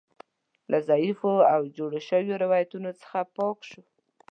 له ضعیفو او جوړو شویو روایتونو څخه پاک شو.